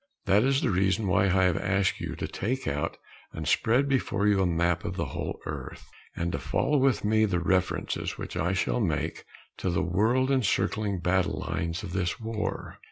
That is the reason why I have asked you to take out and spread before you a map of the whole earth, and to follow with me in the references which I shall make to the world encircling battle lines of this war.